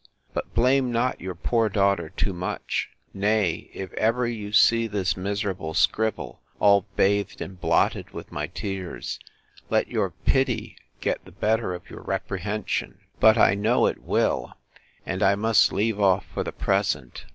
—But blame not your poor daughter too much: Nay, if ever you see this miserable scribble, all bathed and blotted with my tears, let your pity get the better of your reprehension! But I know it will—And I must leave off for the present.